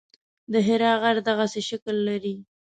د حرا غر دغسې شکل لري.